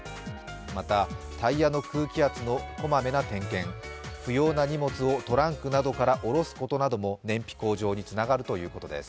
また、タイヤの空気圧の小まめな点検、不要な荷物をトランクなどから下ろすことも燃費向上につながるということです。